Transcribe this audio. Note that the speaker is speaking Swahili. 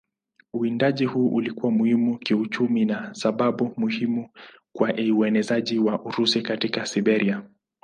Uwindaji huu ulikuwa muhimu kiuchumi na sababu muhimu kwa uenezaji wa Urusi katika Siberia.